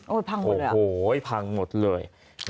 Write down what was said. โอ้โหพังหมดเลย